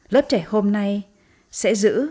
lớp trẻ hôm nay sẽ giữ